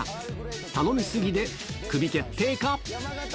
頼みすぎで、クビ決定か？